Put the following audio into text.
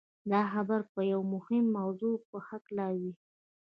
دا خبرې به د يوې مهمې موضوع په هکله وي.